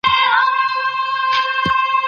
د څښاک اوبه باید په ټولو سیمو کي پاکي وي.